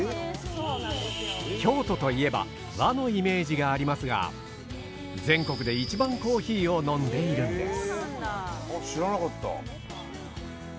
京都といえば「和」のイメージがありますが全国で一番コーヒーを飲んでいるんです。